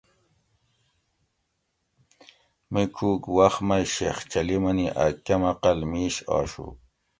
میڄوک وخت مئ شیخ چلی منی اۤ کم عقل میش آشو